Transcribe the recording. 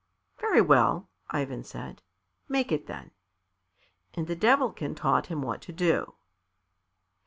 "Very well," Ivan said; "make it, then." And the Devilkin taught him what to do.